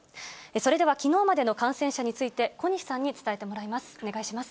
それでは、きのうまでの感染者について、小西さんに伝えてもらいます。